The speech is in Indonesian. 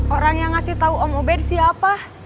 orang yang ngasih tau om obed siapa